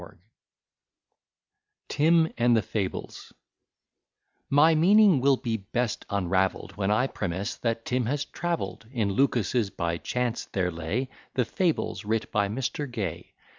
] TIM AND THE FABLES MY meaning will be best unravell'd, When I premise that Tim has travell'd. In Lucas's by chance there lay The Fables writ by Mr. Gay.